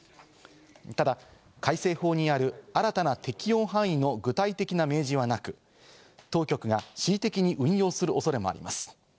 ただ、改正法にある新たな適用範囲の具体的な明示はなく、当局が恣意的に運用する恐れもあります。